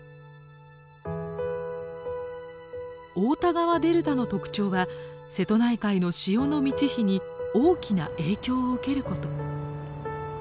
太田川デルタの特徴は瀬戸内海の潮の満ち干に大きな影響を受けること。